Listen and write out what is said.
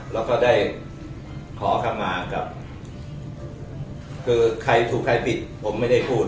แล้วก็ได้ขอคำมากับคือใครถูกใครผิดผมไม่ได้พูด